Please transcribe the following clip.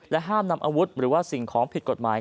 ห้ามนำอาวุธหรือว่าสิ่งของผิดกฎหมาย